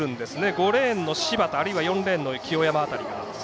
５レーンの芝田あるいは４レーンの清山辺りが。